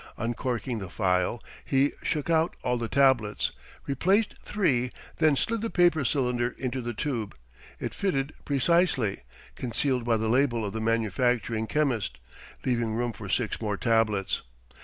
Uncorking the phial, he shook out all the tablets, replaced three, then slid the paper cylinder into the tube; it fitted precisely, concealed by the label of the manufacturing chemist, leaving room for six more tablets.